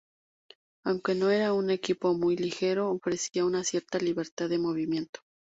Aunque no era un equipo muy ligero, ofrecía una cierta libertad de movimiento.